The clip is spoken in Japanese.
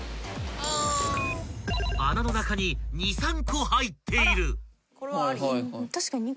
［穴の中に２３個入っている］